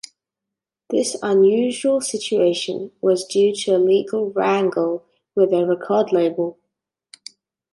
This unusual situation was due to a legal wrangle with their record label.